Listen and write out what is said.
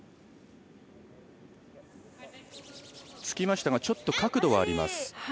つきましたがちょっと角度はあります。